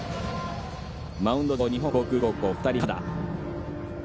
マウンド上、日本航空高校２人目、藤。